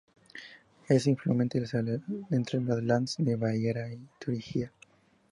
Es afluente del Saale entre los lands de Baviera y Turingia.